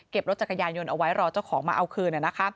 รถจักรยานยนต์เอาไว้รอเจ้าของมาเอาคืน